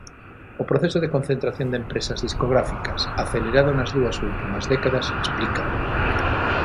O proceso de concentración de empresas discográficas, acelerado nas dúas últimas décadas, explícao.